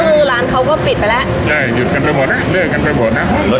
ก็คือร้านเขาก็ปิดไปแล้วใช่หยุดกันตลอดล่ะเลือกกันตลอดล่ะ